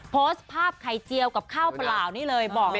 โพสต์ภาพไข่เจียวกับข้าวเปล่านี่เลยบอกเลย